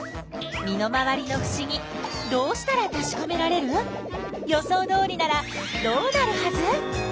身の回りのふしぎどうしたらたしかめられる？予想どおりならどうなるはず？